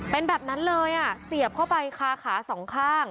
เป็นแบบนั้นเลยอ่ะเสียบเข้าไปคาขาสองข้าง